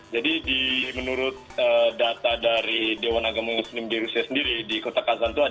jadi menurut data dari dewan agama muslim di rusia sendiri di kota kazan itu ada sekitar lima puluh dua masjid